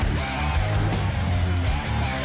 จะรอช้าโกยเลย